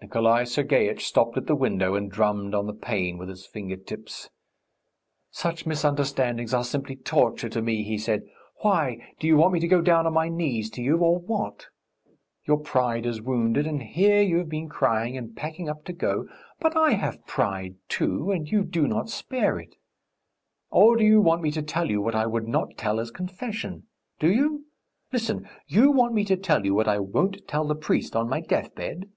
Nikolay Sergeitch stopped at the window and drummed on the pane with his finger tips. "Such misunderstandings are simply torture to me," he said. "Why, do you want me to go down on my knees to you, or what? Your pride is wounded, and here you've been crying and packing up to go; but I have pride, too, and you do not spare it! Or do you want me to tell you what I would not tell as Confession? Do you? Listen; you want me to tell you what I won't tell the priest on my deathbed?"